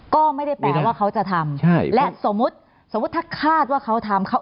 ก็ไม่ได้แปลว่าเขาจะทำใช่และสมมุติสมมุติถ้าคาดว่าเขาทำเขา